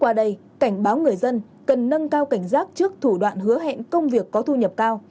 qua đây cảnh báo người dân cần nâng cao cảnh giác trước thủ đoạn hứa hẹn công việc có thu nhập cao